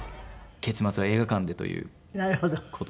結末は映画館で！という事で。